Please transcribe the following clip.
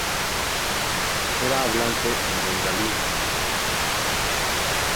Era hablante en bengalí.